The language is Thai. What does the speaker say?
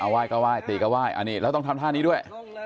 ไหว้ก็ไหว้ตีก็ไหว้อันนี้แล้วต้องทำท่านี้ด้วย